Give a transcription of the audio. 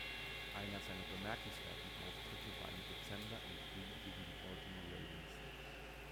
Einer seiner bemerkenswerten Auftritte war im Dezember im Spiel gegen die Baltimore Ravens.